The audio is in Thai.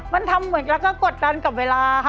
มันทำเหมือนแล้วก็กดดันกับเวลาค่ะ